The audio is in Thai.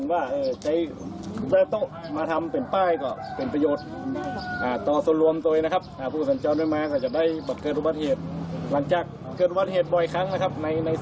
ในโซนนี้นะครับ